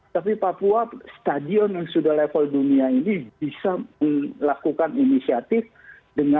tapi papua stadion yang sudah level dunia ini bisa melakukan inisiatif dengan